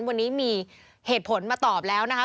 วันนี้มีเหตุผลมาตอบแล้วนะคะ